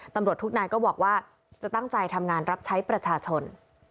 ตำรวจทุกนายก็บอกว่าจะตั้งใจทำงานรับใช้ประชาชน